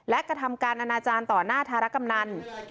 และกระทำการอนาจารย์ต่อหน้าธารกำนัน